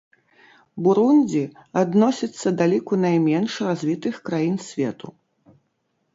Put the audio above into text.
Бурундзі адносіцца да ліку найменш развітых краін свету.